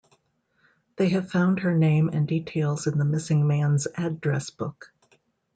They have found her name and details in the missing man's address book.